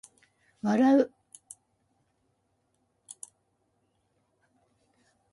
笑う